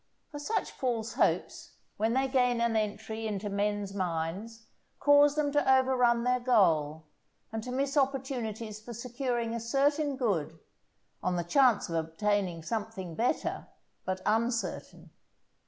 For such false hopes, when they gain an entry into men's minds, cause them to overrun their goal, and to miss opportunities for securing a certain good, on the chance of obtaining some thing better, but uncertain.